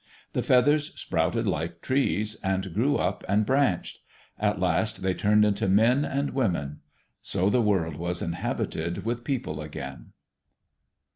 The feathers sprouted like trees, and grew up and branched. At last they turned into men and women. So the world was inhabited with people again.